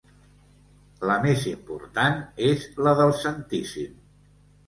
La més important és la del Santíssim.